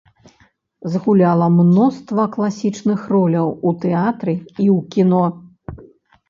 Згуляла мноства класічных роляў у тэатры і ў кіно.